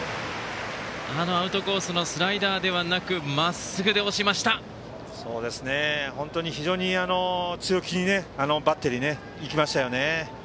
アウトコースのスライダーではなく非常に強気にバッテリー、行きましたね。